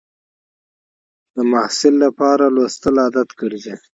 د محصل لپاره لوستل عادت ګرځي.